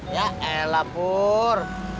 ya elap pur